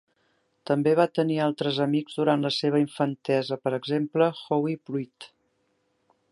També va tenir altres amics durant la seva infantesa, per exemple Howie Pruitt.